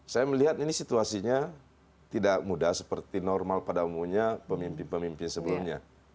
saya melihat ini situasinya tidak mudah seperti normal pada umumnya pemimpin pemimpin sebelumnya